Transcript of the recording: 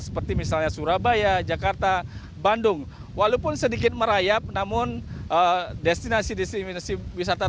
seperti misalnya surabaya jakarta bandung walaupun sedikit merayap namun destinasi destinasi wisata